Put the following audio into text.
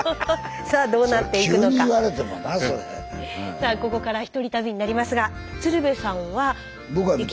さあここからひとり旅になりますが鶴瓶さんは行きたいところ。